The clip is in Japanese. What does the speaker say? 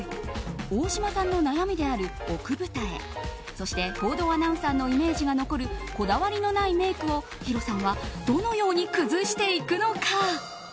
大島さんの悩みである奥二重そして、報道アナウンサーのイメージが残るこだわりのないメイクをヒロさんはどのように崩していくのか。